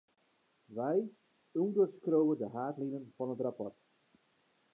Wy ûnderskriuwe de haadlinen fan it rapport.